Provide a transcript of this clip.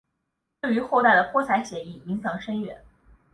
对于后代的泼彩写意影响深远。